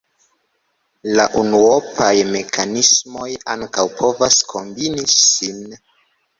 La unuopaj mekanismoj ankaŭ povas kombini sin.